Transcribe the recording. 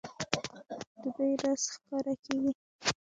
د دوی راز ښکاره کېږي.